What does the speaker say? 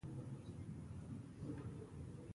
دای د نامعلومو دلایلو له امله زندان ته واچول شو.